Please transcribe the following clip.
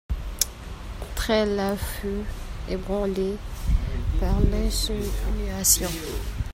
Trélat fut ébranlé par l'insinuation.